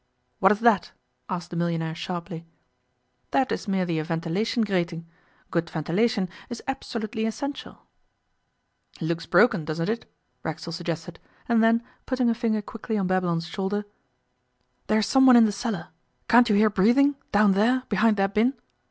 'What is that?' asked the millionaire sharply. 'That is merely a ventilation grating. Good ventilation is absolutely essential.' 'Looks broken, doesn't it?' Racksole suggested and then, putting a finger quickly on Babylon's shoulder, 'there's someone in the cellar. Can't you hear breathing, down there, behind that bin?